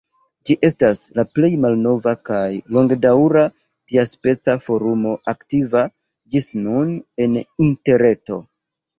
Ĝi estas la plej malnova kaj longedaŭra tiaspeca forumo aktiva ĝis nun en Interreto.